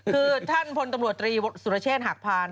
คือท่านพลตำรวจตรีสุรเชษฐหักพาน